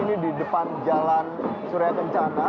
ini di depan jalan surya kencana